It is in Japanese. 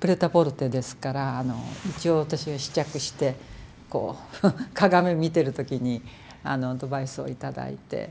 プレタポルテですから一応私が試着して鏡見てる時にアドバイスを頂いて。